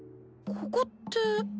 ここって。